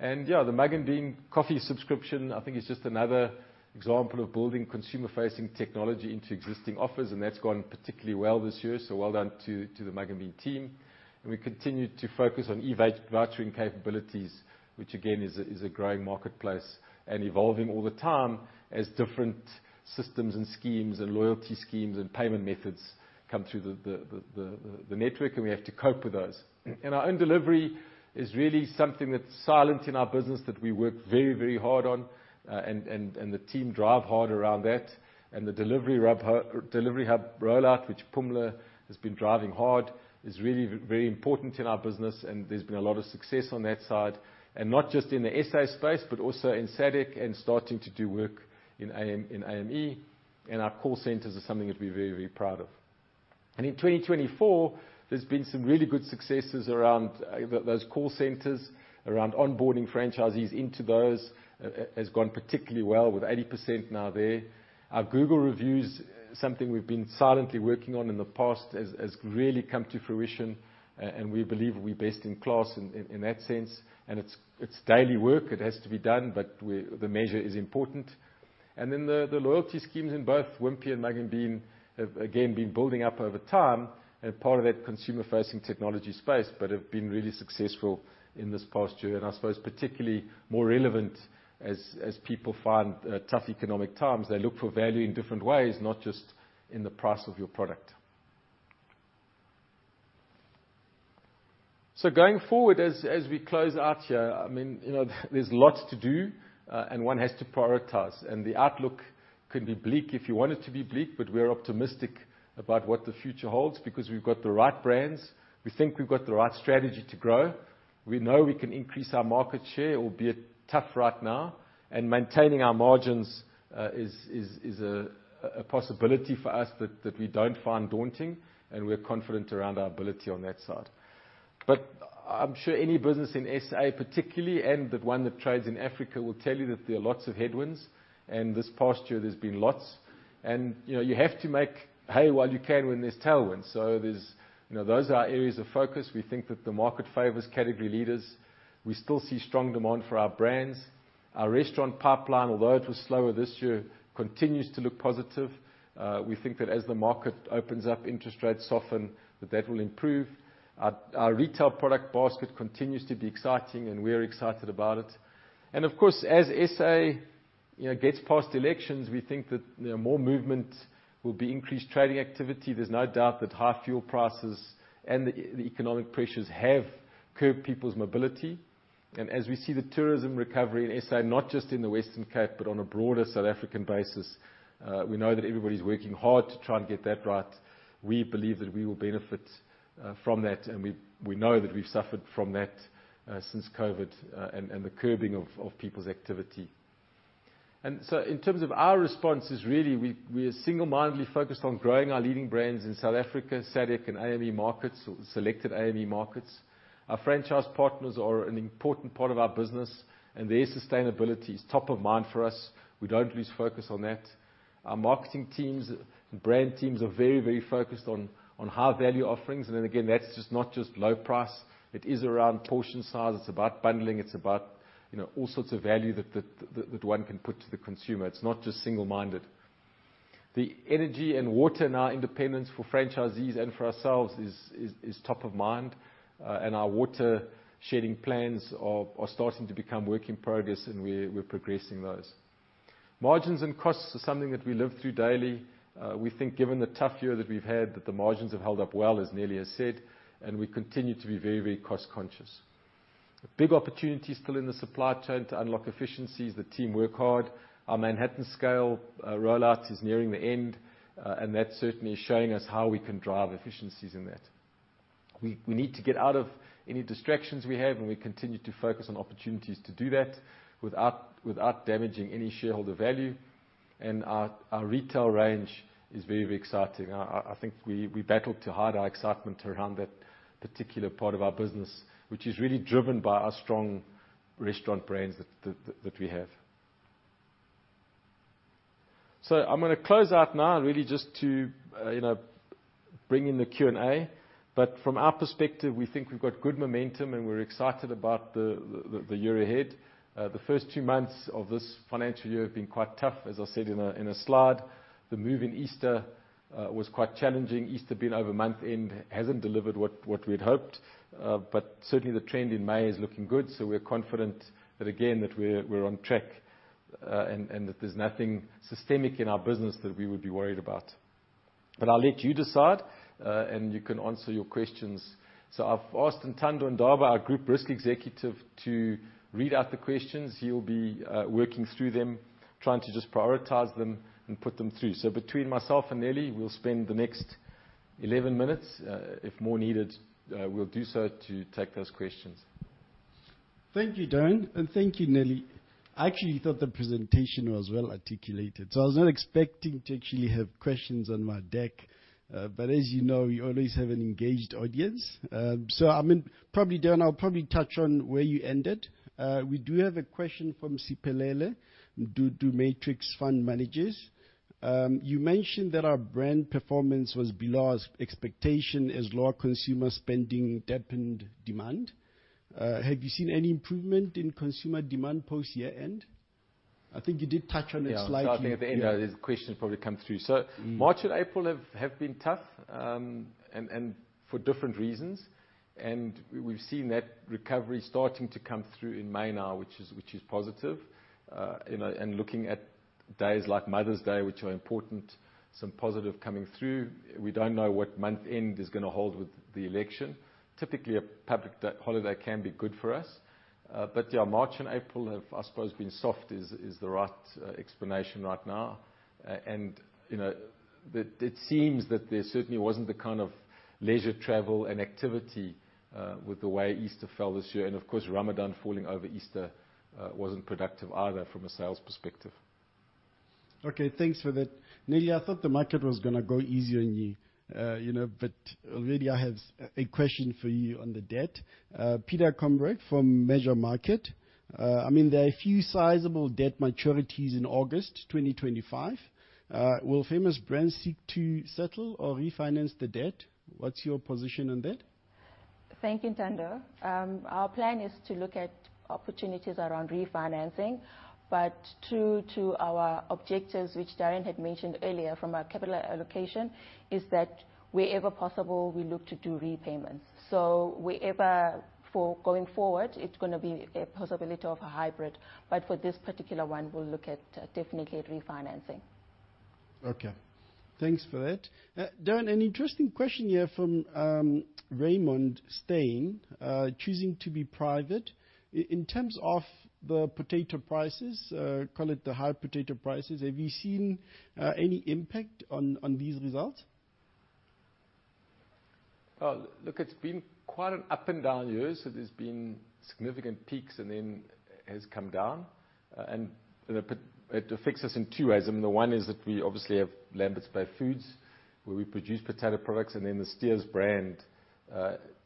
Yeah, the Mugg & Bean coffee subscription, I think, is just another example of building consumer-facing technology into existing offers, and that's gone particularly well this year. So well done to the Mugg & Bean team. We continue to focus on eVouch- vouchering capabilities, which again is a growing marketplace, and evolving all the time as different systems and schemes and loyalty schemes and payment methods come through the network, and we have to cope with those. Our own delivery is really something that's silent in our business that we work very, very hard on, and the team drive hard around that. The delivery hub rollout, which Phumla has been driving hard, is really very important in our business, and there's been a lot of success on that side, and not just in the SA space, but also in SADC, and starting to do work in AME, and our call centers are something that we're very, very proud of. In 2024, there's been some really good successes around those call centers, around onboarding franchisees into those has gone particularly well, with 80% now there. Our Google reviews, something we've been silently working on in the past, has really come to fruition, and we believe we're best in class in that sense, and it's daily work. It has to be done, but the measure is important. And then the loyalty schemes in both Wimpy and Mugg & Bean have, again, been building up over time, and part of that consumer-facing technology space, but have been really successful in this past year, and I suppose particularly more relevant as people find tough economic times, they look for value in different ways, not just in the price of your product. So going forward, as we close out here, I mean, you know, there's lots to do, and one has to prioritize, and the outlook can be bleak if you want it to be bleak, but we're optimistic about what the future holds because we've got the right brands. We think we've got the right strategy to grow. We know we can increase our market share, albeit tough right now, and maintaining our margins is a possibility for us that we don't find daunting, and we're confident around our ability on that side. But I'm sure any business in SA particularly, and the one that trades in Africa, will tell you that there are lots of headwinds, and this past year there's been lots. And, you know, you have to make hay while you can when there's tailwinds. So there's... You know, those are our areas of focus. We think that the market favors category leaders. We still see strong demand for our brands. Our restaurant pipeline, although it was slower this year, continues to look positive. We think that as the market opens up, interest rates soften, that that will improve. Our retail product basket continues to be exciting, and we're excited about it. Of course, as SA, you know, gets past elections, we think that, you know, more movement will be increased trading activity. There's no doubt that high fuel prices and the economic pressures have curbed people's mobility, and as we see the tourism recovery in SA, not just in the Western Cape, but on a broader South African basis, we know that everybody's working hard to try and get that right. We believe that we will benefit from that, and we know that we've suffered from that since COVID, and the curbing of people's activity. So in terms of our responses, really, we are single-mindedly focused on growing our Leading Brands in South Africa, SADC and AME markets or selected AME markets. Our franchise partners are an important part of our business, and their sustainability is top of mind for us. We don't lose focus on that. Our marketing teams and brand teams are very, very focused on high-value offerings, and again, that's just not just low price, it is around portion size. It's about bundling, it's about, you know, all sorts of value that one can put to the consumer. It's not just single-minded. The energy and water and our independence for franchisees and for ourselves is top of mind, and our water shedding plans are starting to become work in progress, and we're progressing those. Margins and costs are something that we live through daily. We think, given the tough year that we've had, that the margins have held up well, as Deana-Lee has said, and we continue to be very, very cost conscious. Big opportunities still in the supply chain to unlock efficiencies. The team work hard. Our Manhattan SCALE rollout is nearing the end, and that certainly is showing us how we can drive efficiencies in that. We need to get out of any distractions we have, and we continue to focus on opportunities to do that without damaging any shareholder value. And our retail range is very, very exciting. I think we battled to hide our excitement around that particular part of our business, which is really driven by our strong restaurant brands that we have. So I'm gonna close out now, really just to, you know, bring in the Q&A. But from our perspective, we think we've got good momentum, and we're excited about the year ahead. The first two months of this financial year have been quite tough, as I said in a slide. The move in Easter was quite challenging. Easter being over month end hasn't delivered what we had hoped, but certainly the trend in May is looking good, so we're confident that again that we're on track, and that there's nothing systemic in our business that we would be worried about. But I'll let you decide, and you can answer your questions. So I've asked Ntando Ndaba, our Group Risk Executive, to read out the questions. He'll be working through them, trying to just prioritize them and put them through. Between myself and Deana-Lee, we'll spend the next 11 minutes. If more needed, we'll do so to take those questions. Thank you, Darren, and thank you, Deana-Lee. I actually thought the presentation was well-articulated, so I was not expecting to actually have questions on my deck. But as you know, you always have an engaged audience. So I mean, probably, Darren, I'll probably touch on where you ended. We do have a question from Siphelele of Matrix Fund Managers. You mentioned that our brand performance was below expectation as lower consumer spending dampened demand. Have you seen any improvement in consumer demand post-year end? I think you did touch on it slightly. Yeah, I think at the end, the question probably come through. So March and April have been tough, and for different reasons, and we've seen that recovery starting to come through in May now, which is positive. You know, and looking at days like Mother's Day, which are important, some positive coming through. We don't know what month end is gonna hold with the election. Typically, a public holiday can be good for us, but yeah, March and April have, I suppose, been soft, is the right explanation right now. And, you know, it seems that there certainly wasn't the kind of leisure travel and activity with the way Easter fell this year. And of course, Ramadan falling over Easter wasn't productive either from a sales perspective. Okay, thanks for that. Deana-Lee, I thought the market was gonna go easy on you, you know, but already I have a question for you on the debt. Peter Takaendesa from Mergence Investment Managers. I mean, there are a few sizable debt maturities in August 2025. Will Famous Brands seek to settle or refinance the debt? What's your position on that? Thank you, Ntando. Our plan is to look at opportunities around refinancing, but true to our objectives, which Darren had mentioned earlier from our capital allocation, is that wherever possible, we look to do repayments. So wherever... for going forward, it's gonna be a possibility of a hybrid, but for this particular one, we'll look at, definitely at refinancing. Okay, thanks for that. Darren, an interesting question here from Raymond Steyn, choosing to be private. In terms of the potato prices, call it the high potato prices, have you seen any impact on these results? Well, look, it's been quite an up and down year, so there's been significant peaks and then has come down. And it affects us in two ways. I mean, the one is that we obviously have Lamberts Bay Foods, where we produce potato products, and then the Steers brand,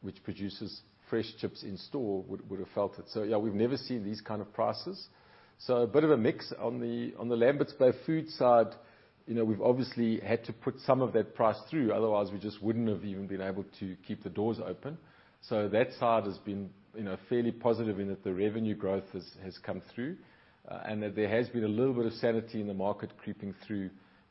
which produces fresh chips in store, would have felt it. So yeah, we've never seen these kind of prices, so a bit of a mix. On the Lamberts Bay Foods side, you know, we've obviously had to put some of that price through, otherwise we just wouldn't have even been able to keep the doors open. So that side has been, you know, fairly positive in that the revenue growth has, has come through, and that there has been a little bit of sanity in the market creeping through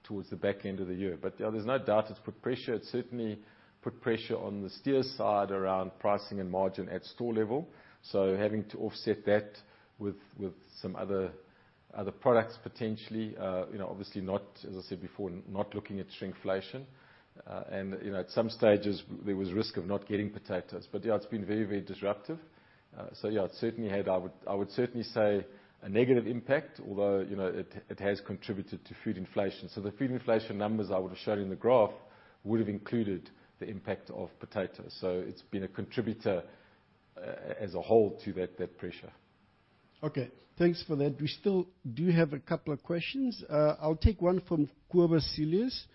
towards the back end of the year. But, yeah, there's no doubt it's put pressure. It's certainly put pressure on the Steers side around pricing and margin at store level, so having to offset that with, with some other, other products potentially, you know, obviously not, as I said before, not looking at shrinkflation. So yeah, it certainly had, I would, I would certainly say, a negative impact, although, you know, it, it has contributed to food inflation. The food inflation numbers I would've shown in the graph would've included the impact of potatoes, so it's been a contributor, as a whole to that, that pressure. Okay, thanks for that. We still do have a couple of questions. I'll take one from Cobus Cilliers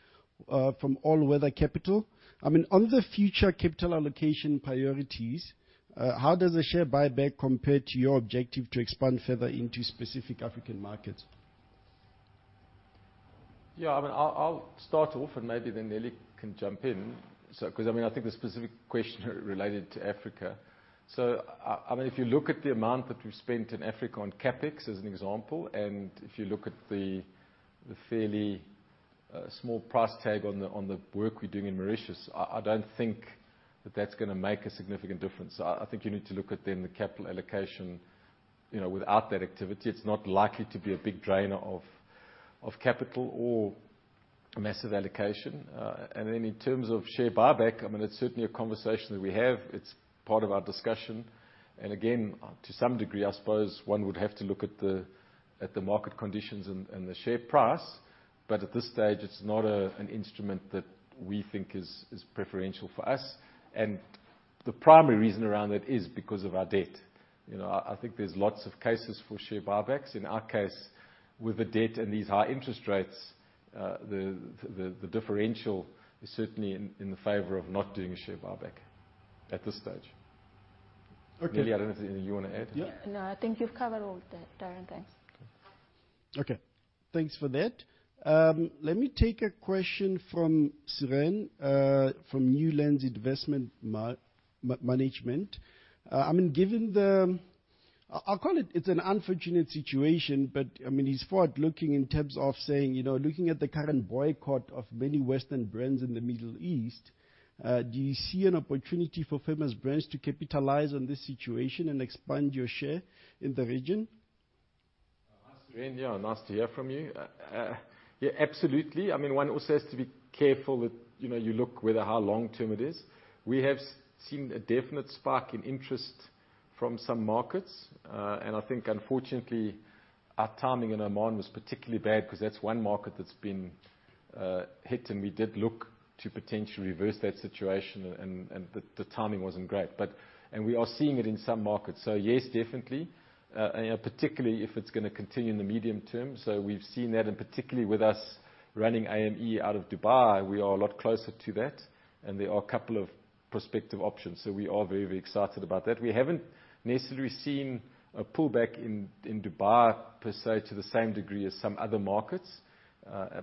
from All Weather Capital. I mean, on the future capital allocation priorities, how does the share buyback compare to your objective to expand further into specific African markets? Yeah, I mean, I'll, I'll start off, and maybe then Deana-Lee can jump in. So, 'cause, I mean, I think the specific question related to Africa... So I, I mean, if you look at the amount that we've spent in Africa on CapEx, as an example, and if you look at the fairly small price tag on the work we're doing in Mauritius, I don't think that that's gonna make a significant difference. I think you need to look at then the capital allocation, you know, without that activity. It's not likely to be a big drainer of capital or a massive allocation. And then in terms of share buyback, I mean, it's certainly a conversation that we have. It's part of our discussion, and again, to some degree, I suppose one would have to look at the market conditions and the share price. But at this stage, it's not an instrument that we think is preferential for us, and the primary reason around it is because of our debt. You know, I think there's lots of cases for share buybacks. In our case, with the debt and these high interest rates, the differential is certainly in the favor of not doing a share buyback at this stage.... Okay, I don't know if you wanna add, yeah? No, I think you've covered all of that, Darren, thanks. Okay, thanks for that. Let me take a question from Zhirong Hu, from Ninety One Investment Management. I mean, given the... I'll call it, it's an unfortunate situation, but, I mean, he's forward-looking in terms of saying, you know, looking at the current boycott of many Western brands in the Middle East, do you see an opportunity for Famous Brands to capitalize on this situation and expand your share in the region? Hi, Zhirong. Yeah, nice to hear from you. Yeah, absolutely. I mean, one also has to be careful that, you know, you look whether how long term it is. We have seen a definite spike in interest from some markets, and I think, unfortunately, our timing in Oman was particularly bad, 'cause that's one market that's been hit, and we did look to potentially reverse that situation, and the timing wasn't great. And we are seeing it in some markets, so, yes, definitely, you know, particularly if it's gonna continue in the medium term. So we've seen that, and particularly with us running AME out of Dubai, we are a lot closer to that, and there are a couple of prospective options. So we are very, very excited about that. We haven't necessarily seen a pullback in Dubai, per se, to the same degree as some other markets,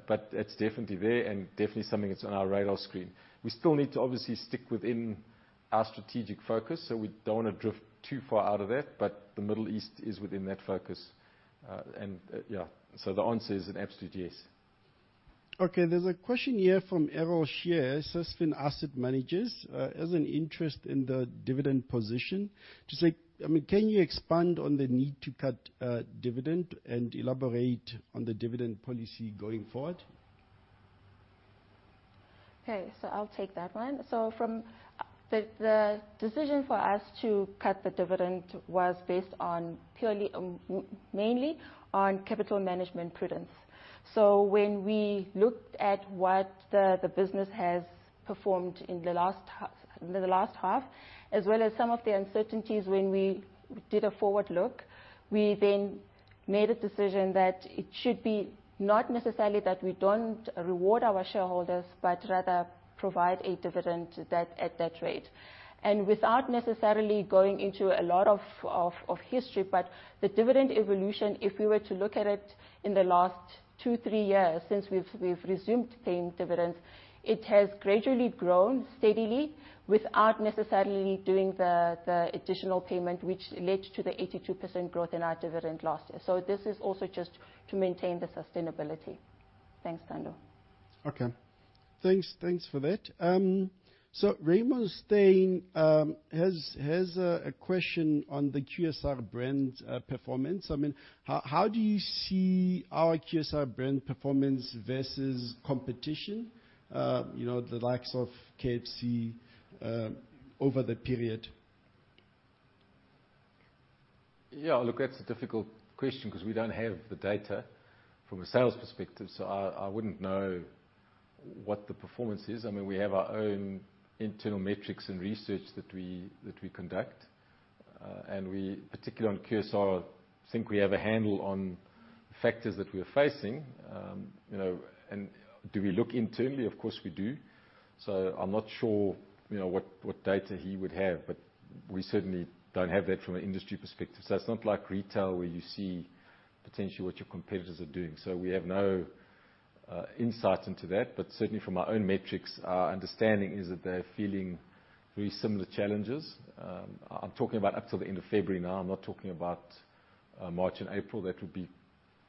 but it's definitely there, and definitely something that's on our radar screen. We still need to obviously stick within our strategic focus, so we don't wanna drift too far out of that, but the Middle East is within that focus. And, yeah, so the answer is an absolute yes. Okay, there's a question here from Erosha Gamage, Sustain Asset Managers. As an interest in the dividend position, to say, I mean, can you expand on the need to cut dividend, and elaborate on the dividend policy going forward? Okay, so I'll take that one. So from the decision for us to cut the dividend was based on purely mainly on capital management prudence. So when we looked at what the business has performed in the last half, as well as some of the uncertainties when we did a forward look, we then made a decision that it should be not necessarily that we don't reward our shareholders, but rather provide a dividend that, at that rate. And without necessarily going into a lot of history, but the dividend evolution, if we were to look at it in the last two, three years since we've resumed paying dividends, it has gradually grown steadily without necessarily doing the additional payment, which led to the 82% growth in our dividend last year. This is also just to maintain the sustainability. Thanks, Ntando. Okay. Thanks, thanks for that. So Raymond Steyn has a question on the QSR brand performance. I mean, how do you see our QSR brand performance versus competition, you know, the likes of KFC, over the period? Yeah, look, that's a difficult question, 'cause we don't have the data from a sales perspective, so I wouldn't know what the performance is. I mean, we have our own internal metrics and research that we conduct, and we, particularly on QSR, think we have a handle on the factors that we're facing. You know, and do we look internally? Of course, we do. So I'm not sure, you know, what data he would have, but we certainly don't have that from an industry perspective. So it's not like retail, where you see potentially what your competitors are doing. So we have no insight into that, but certainly from our own metrics, our understanding is that they're feeling very similar challenges. I'm talking about up till the end of February now, I'm not talking about March and April. That would be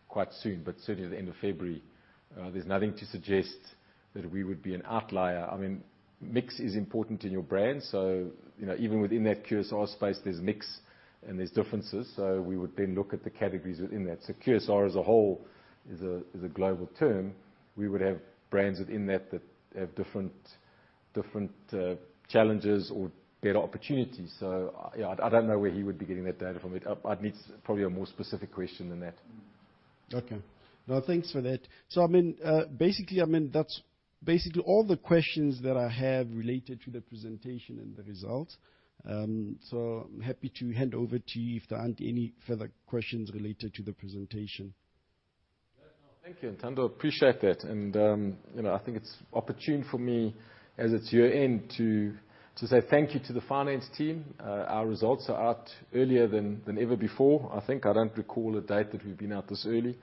quite soon, but certainly the end of February, there's nothing to suggest that we would be an outlier. I mean, mix is important in your brand, so, you know, even within that QSR space, there's mix, and there's differences, so we would then look at the categories within that. So QSR, as a whole, is a global term. We would have brands within that that have different, different challenges or better opportunities. So, yeah, I don't know where he would be getting that data from. It, I'd need probably a more specific question than that. Okay. No, thanks for that. So I mean, basically, I mean, that's basically all the questions that I have related to the presentation and the results. So I'm happy to hand over to you if there aren't any further questions related to the presentation. Thank you, Ntando. Appreciate that, and, you know, I think it's opportune for me, as it's year-end, to say thank you to the finance team. Our results are out earlier than ever before. I think, I don't recall a date that we've been out this early,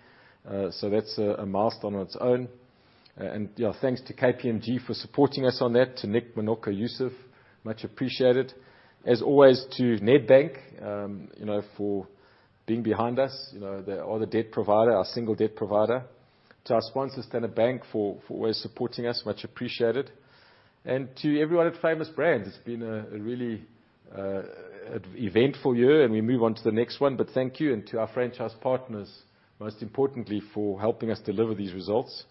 so that's a milestone on its own. And, yeah, thanks to KPMG for supporting us on that, to Nick, Manoka, Yusuf, much appreciated. As always, to Nedbank, you know, for being behind us, you know, the debt provider, our single debt provider, to our sponsors, Standard Bank, for always supporting us, much appreciated. And to everyone at Famous Brands, it's been a really eventful year, and we move on to the next one, but thank you. To our franchise partners, most importantly, for helping us deliver these results,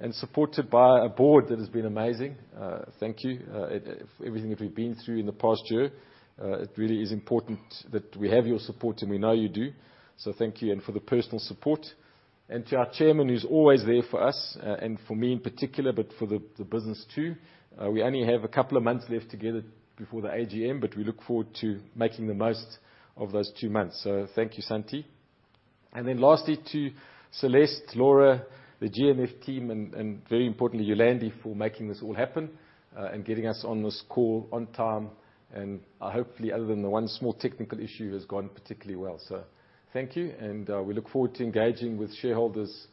and supported by a board that has been amazing, thank you for everything that we've been through in the past year. It really is important that we have your support, and we know you do, so thank you, and for the personal support. To our Chairman, who's always there for us, and for me in particular, but for the business, too, we only have a couple of months left together before the AGM, but we look forward to making the most of those two months. So thank you, Santie. Then lastly, to Celeste, Laura, the GMF team, and, and very importantly, Yolandi, for making this all happen, and getting us on this call on time, and, hopefully, other than the one small technical issue, has gone particularly well. So thank you, and, we look forward to engaging with shareholders,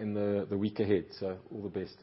in the week ahead, so all the best.